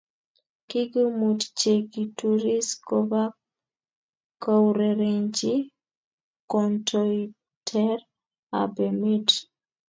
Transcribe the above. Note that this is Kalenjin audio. kikimut che kituris kobak kourerenchi kantointer ab emet